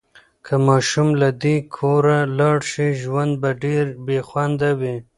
که ماشوم له دې کوره لاړ شي، ژوند به ډېر بې خونده وي.